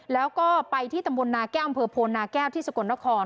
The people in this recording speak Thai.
แล้วก็ไปที่ตำบลนาแก้วอำเภอโพนาแก้วที่สกลนคร